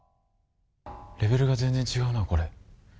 レベルが全然違うな、これ。